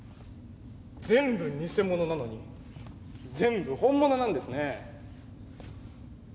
全部偽物なのに全部本物なんですねえ。